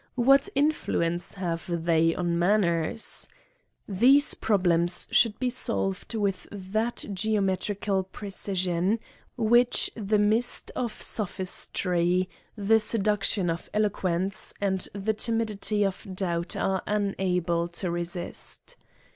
What influence have they on man ners ? These problems should be solved with that geometriculp rec^ign, whieh the nii'si of sophistry, 46 . AN ESSAY ON the seduction of eloruence;, and the timidity of doubt, are unable to resist.